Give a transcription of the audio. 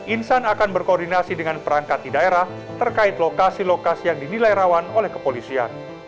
insan akan berkoordinasi dengan perangkat di daerah terkait lokasi lokasi yang dinilai rawan oleh kepolisian